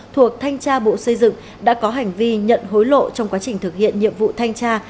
thuộc thanh tra bộ xây dựng đã có hành vi nhận hối lộ trong quá trình thực hiện nhiệm vụ thanh tra